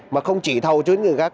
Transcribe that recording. mà không chỉ thầu cho những người khác